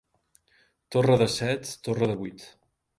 Torre de set, torre de vuit.